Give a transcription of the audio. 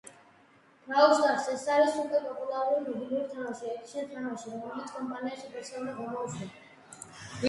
Brawl Stars — ეს არის სუპერპოპულარული მობილური "ექშენ-თამაში", რომელიც კომპანია Supercell-მა გამოუშვა.